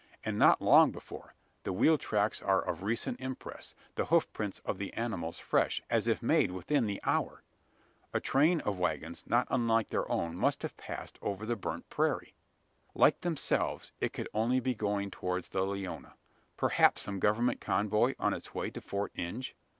And not long before: the wheel tracks are of recent impress the hoof prints of the animals fresh as if made within the hour. A train of waggons, not unlike their own, must have passed over the burnt prairie! Like themselves, it could only be going towards the Leona: perhaps some government convoy on its way to Fort Inge?